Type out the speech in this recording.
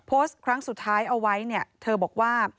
โพสต์ครั้งสุดท้ายเอาไว้เนี่ยเธอบอกว่า